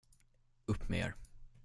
Upp med er!